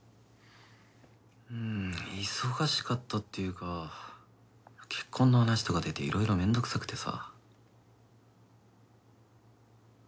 うん忙しかったっていうか結婚の話とか出ていろいろめんどくさくてさ。